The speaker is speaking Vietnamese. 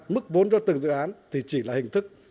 mức vốn cho từng dự án thì chỉ là hình thức